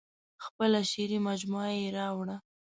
خپله شعري مجموعه یې راوړه.